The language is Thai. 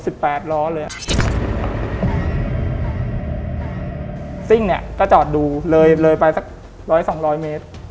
ซึ่งก็จอดดูเลยไปสัก๑๐๐๒๐๐เมตร